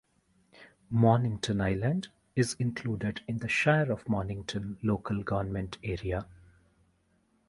Mornington Island is included in the Shire of Mornington local government area.